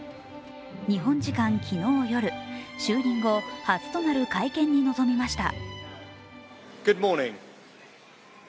日本時間昨日夜、就任後初となる会見に臨みました。